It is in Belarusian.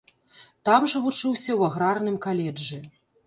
Там жа вучыўся ў аграрным каледжы.